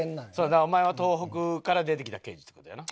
だからお前は東北から出てきた刑事さんだよな。